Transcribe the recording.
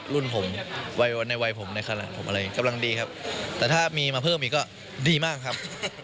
รุ่นผมวัยในวัยผมในขณะผมอะไรกำลังดีครับแต่ถ้ามีมาเพิ่มอีกก็ดีมากครับ